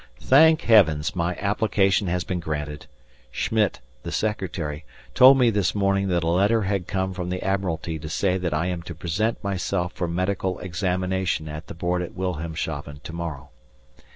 Thank Heavens, my application has been granted. Schmitt (the Secretary) told me this morning that a letter has come from the Admiralty to say that I am to present myself for medical examination at the board at Wilhelmshaven to morrow.